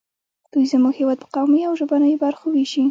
دوی زموږ هېواد په قومي او ژبنیو برخو ویشي